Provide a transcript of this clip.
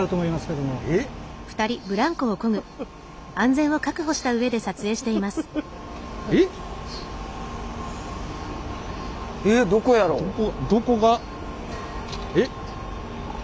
どこどこが？えっ。